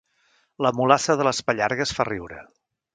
La mulassa de les Pallargues fa riure